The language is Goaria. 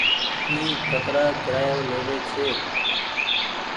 اي ڪترآ ڪيرآيو ليوي ڇي۔